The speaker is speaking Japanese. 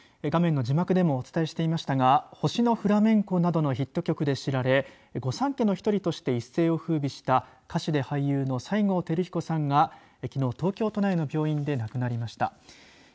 画面の字幕でもお伝えしましたが星のフラメンコなどのヒット曲で知られ御三家の１人として一世をふうびした歌手で俳優の西郷輝彦さんがきのう、東京都内の病院で亡くなりました。